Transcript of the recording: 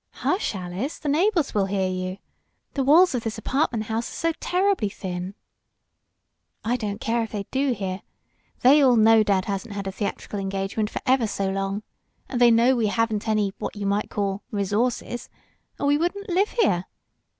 "Hush, Alice! The neighbors will hear you. The walls of this apartment house are so terribly thin!" "I don't care if they do hear. They all know dad hasn't had a theatrical engagement for ever so long. And they know we haven't any what you might call resources or we wouldn't live here.